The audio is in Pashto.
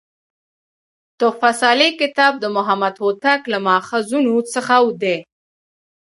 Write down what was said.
"تحفه صالح کتاب" د محمد هوتک له ماخذونو څخه دﺉ.